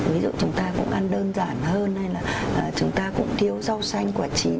ví dụ chúng ta cũng ăn đơn giản hơn hay là chúng ta cũng thiếu rau xanh quả chín